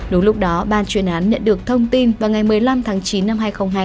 đúng lúc đó ban chuyên án nhận được thông tin vào ngày một mươi năm tháng chín năm hai nghìn hai mươi hai